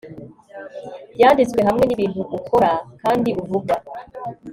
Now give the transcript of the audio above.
byanditswe hamwe nibintu ukora kandi uvuga